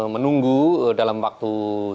menunggu dalam waktu